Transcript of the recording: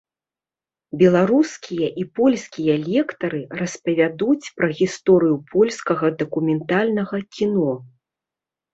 Беларускія і польскія лектары распавядуць пра гісторыю польскага дакументальнага кіно.